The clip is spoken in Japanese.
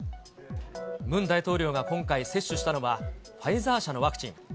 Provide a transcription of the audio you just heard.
ムン大統領が今回、接種したのはファイザー社のワクチン。